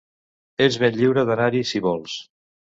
Ets ben lliure d'anar-hi, si vols.